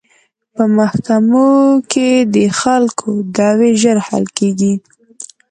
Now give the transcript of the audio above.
په محکمو کې د خلکو دعوې ژر حل کیږي.